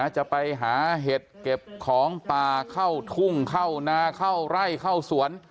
จะไปหาเห็ดเก็บของป่าเข้าทุ่งเข้านาเข้าไร่เข้าสวน